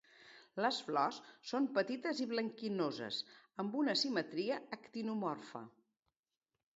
Les flors són petites i blanquinoses amb una simetria actinomorfa.